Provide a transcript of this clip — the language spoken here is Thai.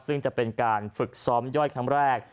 ซึ่งจะเป็นการฝึกซ้อมย่อยครั้งแรก